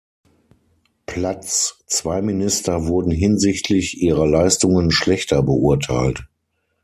Platz, zwei Minister wurden hinsichtlich ihrer Leistungen schlechter beurteilt.